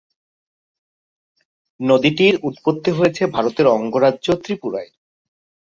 নদীটির উৎপত্তি হয়েছে ভারতের অঙ্গরাজ্য ত্রিপুরায়।